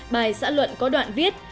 bài xã luận có đoạn viết